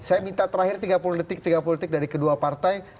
saya minta terakhir tiga puluh detik dari kedua partai